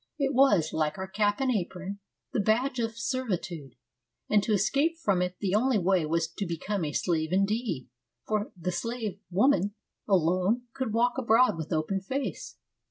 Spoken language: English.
It was, like our cap and apron, the badge of servitude, and to escape from it the only way was to become a slave indeed, for the slave woman alone could walk abroad with open face.